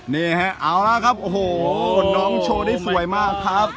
นี่ฮะเอาละครับโอ้โหน้องโชว์ได้สวยมากครับ